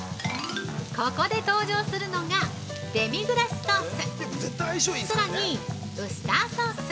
ここで登場するのがデミグラスソース！